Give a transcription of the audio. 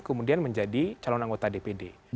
kemudian menjadi calon anggota dpd